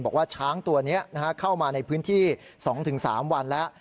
บอกว่าช้างตัวนี้เข้ามาในพื้นที่๒๓วันแล้ว